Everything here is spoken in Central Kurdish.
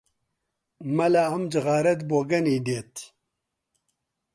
مەلا ئەم جغارەت بۆگەنی دێت!